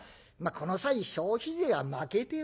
この際消費税はまけておこう。